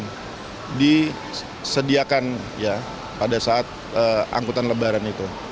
jadi kita sudah sediakan ya pada saat angkutan lebaran itu